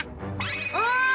おい！